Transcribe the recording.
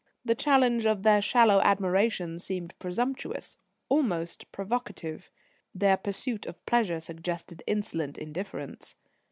The challenge of their shallow admiration seemed presumptuous, almost provocative. Their pursuit of pleasure suggested insolent indifference.